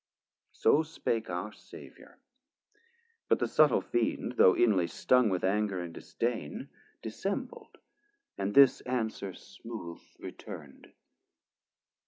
So spake our Saviour; but the subtle Fiend, Though inly stung with anger and disdain, Dissembl'd, and this answer smooth return'd.